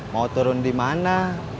mau turun dimana